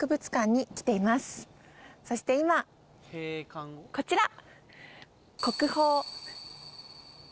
そして今こちら！